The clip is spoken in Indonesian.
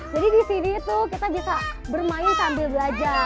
jadi di sini kita bisa bermain sambil belajar